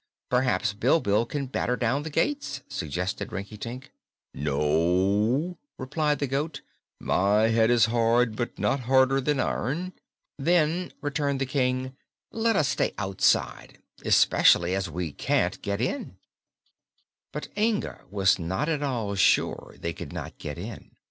"Perhaps Bilbil can batter down the gates, suggested Rinkitink. "No," replied the goat; "my head is hard, but not harder than iron." "Then," returned the King, "let us stay outside; especially as we can't get in." But Inga was not at all sure they could not get in.